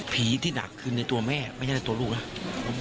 ที่หนักคือในตัวแม่ไม่ใช่ในตัวลูกนะ